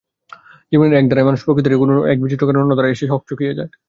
জীবনের এক ধারায় মানুষ প্রকৃতিরই কোনো- এক বিচিত্র কারণে অন্য ধারায় এসে হকচকিয়ে যায়।